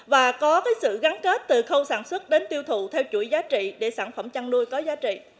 và có sự gắn kết từ khâu sản xuất đến tiêu thụ theo chuỗi giá trị để sản phẩm chăn nuôi có giá trị